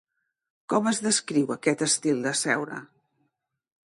Com es descriu aquest estil de seure?